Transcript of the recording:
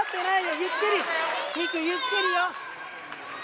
ゆっくり美空ゆっくりよ